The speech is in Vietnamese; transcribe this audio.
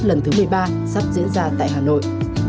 lần thứ một mươi ba sắp diễn ra tại hà nội